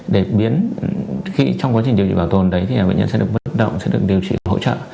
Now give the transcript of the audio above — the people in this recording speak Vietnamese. để biến trong quá trình điều trị bảo tồn đấy thì bệnh nhân sẽ được vận động sẽ được điều trị hỗ trợ